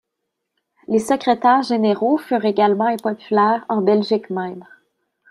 Les secrétaires-généraux furent également impopulaires en Belgique même.